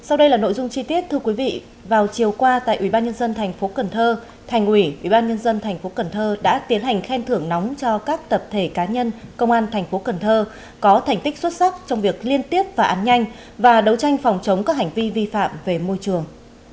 sau đây là nội dung chi tiết thưa quý vị vào chiều qua tại ubnd tp cần thơ thành ủy ubnd tp cần thơ đã tiến hành khen thưởng nóng cho các tập thể cá nhân công an thành phố cần thơ có thành tích xuất sắc trong việc liên tiếp phá án nhanh và đấu tranh phòng chống các hành vi vi phạm về môi trường